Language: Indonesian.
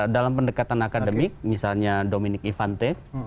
dalam pendekatan akademik misalnya dominic ivante